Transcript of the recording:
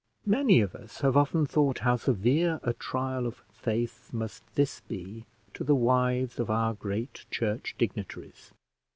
Many of us have often thought how severe a trial of faith must this be to the wives of our great church dignitaries.